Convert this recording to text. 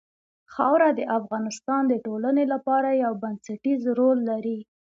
خاوره د افغانستان د ټولنې لپاره یو بنسټيز رول لري.